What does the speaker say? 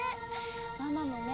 ママもね